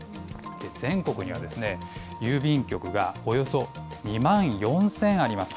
全国には郵便局がおよそ２万４０００あります。